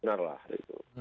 benar lah itu